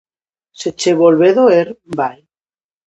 -Se che volve doer, vai.